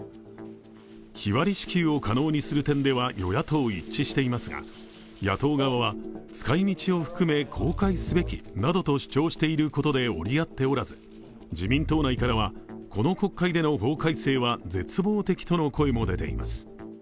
日割り支給を可能にする点では与野党一致していますが野党側は使い道を含め、公開すべきなどと主張していることで折り合っておらず、自民党内からこの国会での法改正は絶望的との声も出ています。